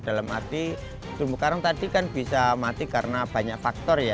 dalam arti terumbu karang tadi kan bisa mati karena banyak faktor ya